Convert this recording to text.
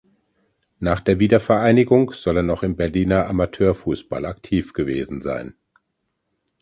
Nach der Wiedervereinigung soll er noch im Berliner Amateurfußball aktiv gewesen sein.